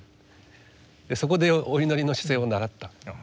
そこでお祈りの姿勢を習った。